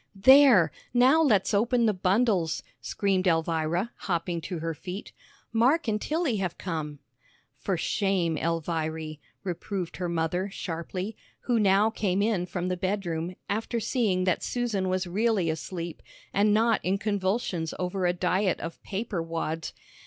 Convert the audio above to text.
"There! Now let's open the bundles," screamed Elvira, hopping to her feet. "Mark and Tilly have come!" "For shame, Elviry," reproved her mother, sharply, who now came in from the bedroom, after seeing that Susan was really asleep, and not in convulsions over a diet of paper wads.